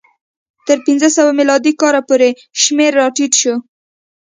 تر پنځه سوه میلادي کاله پورې شمېر راټیټ شو.